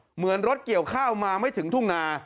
เหมือนรถเกี่ยวข้าวมาไม่ถึงทุ่งนา